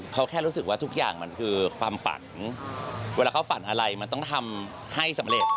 เขาแค่รู้สึกว่าทุกอย่างมันคือความฝันเวลาเขาฝันอะไรมันต้องทำให้สำเร็จ